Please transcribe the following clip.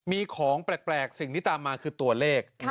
มีของแปลกสิ่งที่ตามมาคือตัวเลข